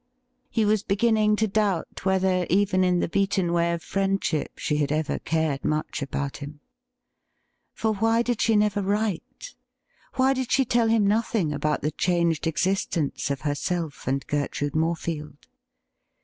He was beginning to doubt whether even in the beaten way of friendship she had ever cared much about him. For, why 176 THE RIDDLE RING did she never write ? Why did she tell him nothing about the changed existence of herself and Gertrude Morefield